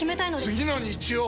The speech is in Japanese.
次の日曜！